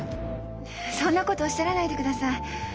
そんなことおっしゃらないでください。